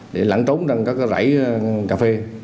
để lãng trốn trong các rãi cà phê